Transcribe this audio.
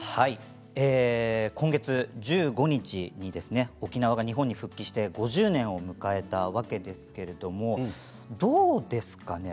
今月１５日に沖縄が日本に復帰して５０年を迎えたわけですけれどもどうですかね？